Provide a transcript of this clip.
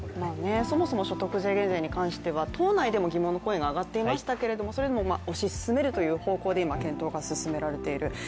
そもそも所得税減税に関しては党内でも疑問の声が上がっていましたけれどもそれも押し進めるという方向で検討が進められている。